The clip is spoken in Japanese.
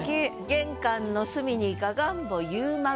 「玄関の隅にががんぼ夕間暮れ」。